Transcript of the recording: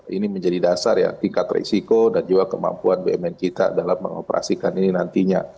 ini menjadi dasar ya tingkat risiko dan juga kemampuan bumn kita dalam mengoperasikan ini nantinya